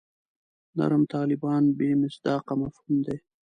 نرم طالبان بې مصداقه مفهوم دی.